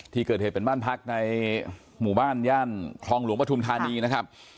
ที่เกิดเหตุเป็นบ้านพักในหมู่บ้านย่านคลองหลวงปฐุมธานีนะครับ